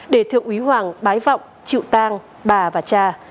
để thượng úy hoàng bái vọng chịu tang bà và cha